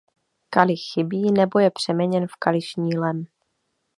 Kalich chybí nebo je přeměněn v kališní lem.